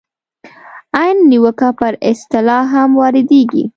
عین نیوکه پر اصطلاح هم واردېږي.